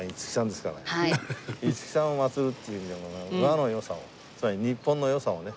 五木さんを祭るっていう意味でも和の良さをつまり日本の良さをね